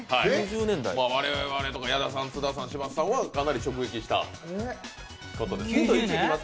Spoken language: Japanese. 我々とか矢田さん、津田さん、柴田さんはかなり直撃したことです。